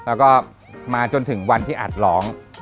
แล้วก็มาจนถึงวันที่อัดร้อง